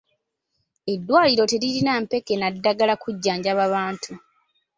Eddwaliro teririna mpeke na ddagala kujjanjaba bantu.